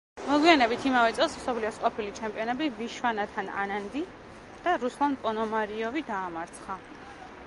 მოგვიანებით იმავე წელს მსოფლიოს ყოფილი ჩემპიონები ვიშვანათან ანანდი და რუსლან პონომარიოვი დაამარცხა.